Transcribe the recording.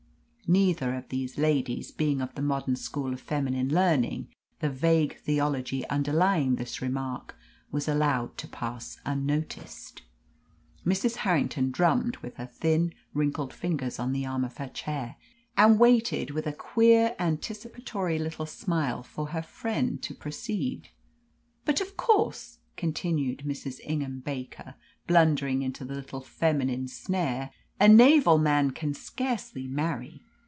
Neither of these ladies being of the modern school of feminine learning, the vague theology underlying this remark was allowed to pass unnoticed. Mrs. Harrington drummed with her thin wrinkled fingers on the arm of her chair, and waited with a queer anticipatory little smile for her friend to proceed. "But, of course," continued Mrs. Ingham Baker, blundering into the little feminine snare, "a naval man can scarcely marry.